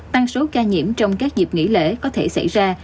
tăng số ca nhiễm trong các dịp nghỉ lễ có thể xảy ra